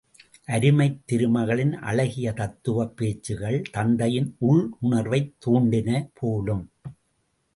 அருமைத் திருமகளின் அழகிய தத்துவப் பேச்சுகள், தந்தையின் உள்ளுணர்வைத் தூண்டின போலும்!